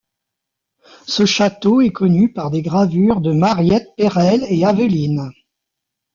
Ce château est connu par des gravures de Mariette, Pérelle et Aveline.